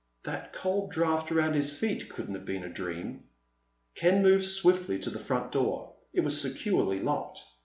That cold draft around his feet couldn't have been a dream. Ken moved swiftly to the front door. It was securely locked.